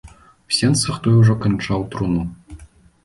У сенцах той ужо канчаў труну.